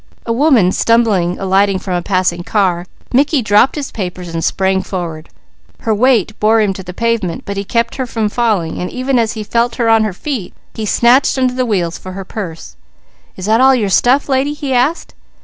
A woman stumbled alighting from a passing car. Mickey dropped his papers and sprang forward. Her weight bore him to the pavement, but he kept her from falling, and even as he felt her on her feet, he snatched under the wheels for her purse. "Is that all your stuff, lady?" he asked.